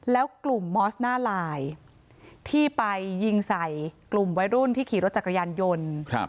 แล้วกลุ่มมอสหน้าลายที่ไปยิงใส่กลุ่มวัยรุ่นที่ขี่รถจักรยานยนต์